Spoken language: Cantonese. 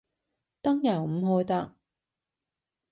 燈又唔開得